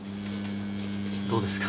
どうですか？